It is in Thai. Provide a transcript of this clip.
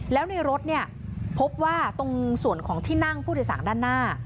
แล้วในรถเนี่ยพบว่าตรงส่วนของที่นั่งผู้โดยสารด้านหน้า